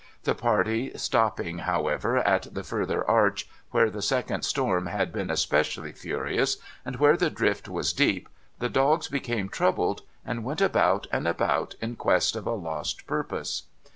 The party stopping, however, at the further arch, where the second storm had been especially furious, and where the drift was deep, the dogs became troubled, and went about and about, in quest of a lost purpose.